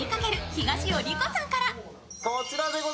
東尾理子さんから。